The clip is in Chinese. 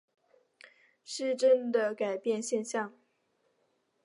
失真的改变现象。